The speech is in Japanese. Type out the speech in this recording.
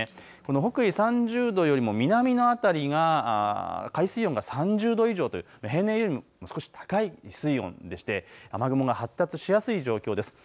北緯３０度よりも南の辺りが海水温が３０度以上という平年よりも高い水温でして雨雲が発達しやすい状況です。